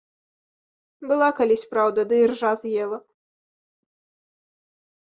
Была калісь праўда, ды іржа з'ела.